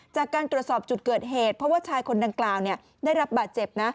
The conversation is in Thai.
จากการตรวจสอบจุดเกิดเหตุเพราะว่าชายคนดังกล่าวได้รับบาดเจ็บนะ